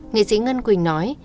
nghệ sĩ ngân quỳnh nói